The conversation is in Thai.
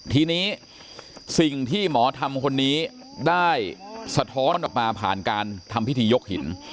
ทีนี้สิ่งที่หมอทำคนนี้ได้สะท้อนออกมาผ่านการทำพิธียกหิน